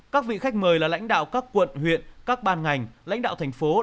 các vị khách mời là lãnh đạo các quận huyện các ban ngành lãnh đạo tp hcm